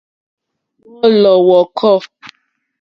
Wɔ̀ɔ́lɔ̀ wɔ̀kɔ́.